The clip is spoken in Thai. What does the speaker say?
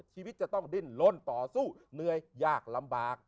ชีวิตจะต้องดิ้นล้นต่อสู้เหนื่อยยากลำบาก